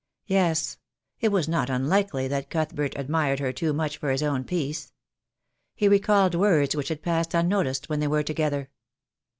Yes; it was not unlikely that Cuthbert admired her too much for his own peace. He recalled words which had passed unnoticed when they were together.